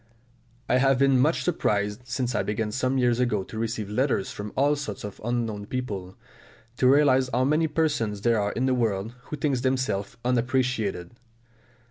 I have been much surprised, since I began some years ago to receive letters from all sorts of unknown people, to realise how many persons there are in the world who think themselves unappreciated.